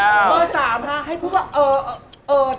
เบอร์สามค่ะให้พูดว่าเออเออเออ